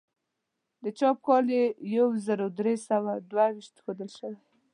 د چاپ کال یې یو زر درې سوه دوه ویشت ښودل شوی.